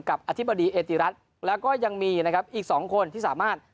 อธิบดีเอติรัฐแล้วก็ยังมีนะครับอีก๒คนที่สามารถ